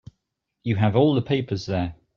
You have all the papers there.